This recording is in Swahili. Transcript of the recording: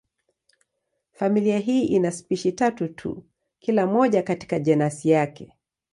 Familia hii ina spishi tatu tu, kila moja katika jenasi yake.